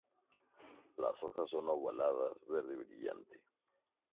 Las hojas son ovaladas verde brillante.